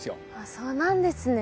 そうなんですね